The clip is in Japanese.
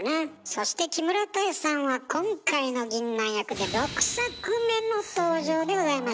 そして木村多江さんは今回のぎんなん役で６作目の登場でございました。